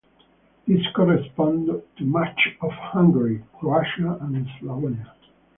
This corresponded to much of Hungary, Croatia and Slavonia.